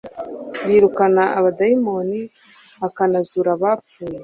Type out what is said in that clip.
yirukana abadaimoni akanazura abapfuye.